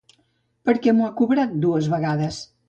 Per què m'ho han cobrat dues vegades?